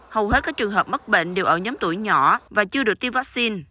hầu hết các trường hợp mắc bệnh đều ở nhóm tuổi nhỏ và chưa được tiêm vaccine